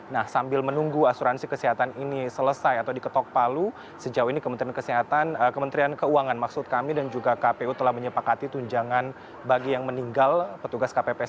nah sambil menunggu asuransi kesehatan ini selesai atau diketok palu sejauh ini kementerian kesehatan kementerian keuangan maksud kami dan juga kpu telah menyepakati tunjangan bagi yang meninggal petugas kpps